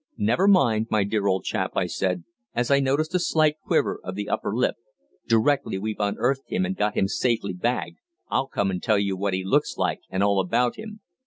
"Never mind, my dear old chap," I said, as I noticed a slight quiver of the under lip, "directly we've unearthed him and got him safely bagged I'll come and tell you what he looks like and all about him.